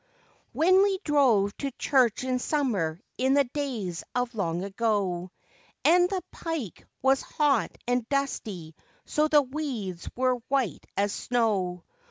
1z HEN we drove to church in summer in the days of long ago, And the pike was hot and dusty so the weeds were white as snow.